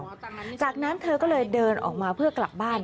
หลังจากนั้นเธอก็เลยเดินออกมาเพื่อกลับบ้าน